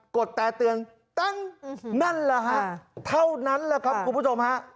ดแต่เตือนตันนั่นแหละฮะเท่านั้นแหละครับคุณผู้ชมฮะ